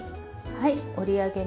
はい。